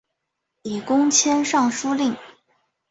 以功迁尚书令。